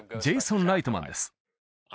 ジェイソン・ライトマンです